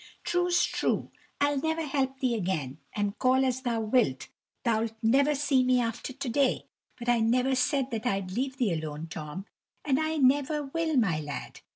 True's true I'll never help thee again, and call as thou wilt, thou 'lt never see me after to day; but I never said that I'd leave thee alone, Tom, and I never will, my lad!